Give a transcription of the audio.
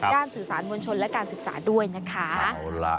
การศึกษามวลชนและการศึกษาด้วยนะคะ